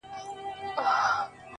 هوښيارانو دي راوړي دا نكلونه!